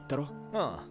ああ。